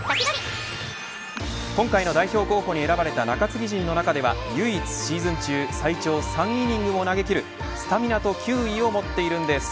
今回の代表候補に選ばれた中継ぎ陣の中では唯一、シーズン中最長３イニングを投げきるスタミナと球威を持っているんです。